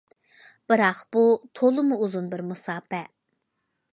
بىراق بۇ تولىمۇ ئۇزۇن بىر مۇساپە.